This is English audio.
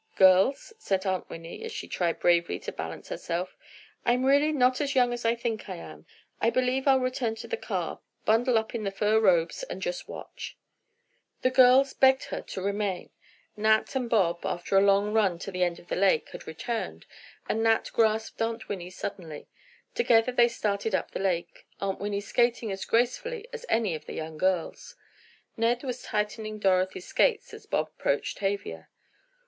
"Girls," said Aunt Winnie, as she tried bravely to balance herself, "I'm really not as young as I think I am! I believe I'll return to the car, bundle up in the fur robes and just watch." The girls begged her to remain. Nat and Bob, after a long run to the end of the lake, had returned, and Nat grasped Aunt Winnie suddenly. Together they started up the lake, Aunt Winnie skating as gracefully as any of the young girls. Ned was tightening Dorothy's skates as Bob approached Tavia.